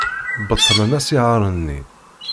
Beṭlen asihaṛ-nni.